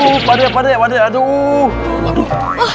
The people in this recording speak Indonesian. aduh pakde pakde pakde aduh